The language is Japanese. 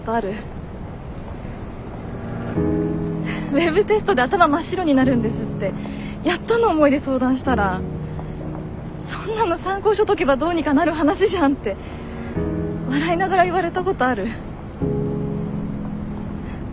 「ウェブテストで頭真っ白になるんです」ってやっとの思いで相談したら「そんなの参考書解けばどうにかなる話じゃん」って笑いながら言われたことある？